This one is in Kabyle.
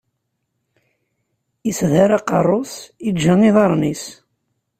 Isdari aqeṛṛu-s, iǧǧa iḍaṛṛen-is.